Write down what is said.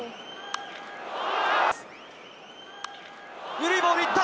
緩いボール行った。